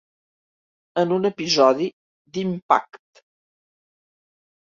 En un episodi d'"Impact"!